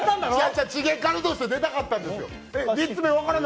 違う、チゲカルとして出たかったんですよ。